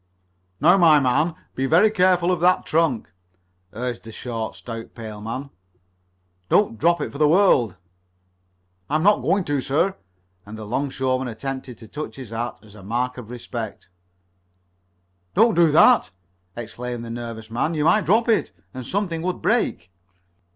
"Now, my man, be very careful of that trunk," urged the short, stout, pale man. "Don't drop it for the world." "I'm not going to, sir," and the 'longshoreman attempted to touch his hat as a mark of respect. "Don't do that!" exclaimed the nervous man. "You might drop it, and something would break."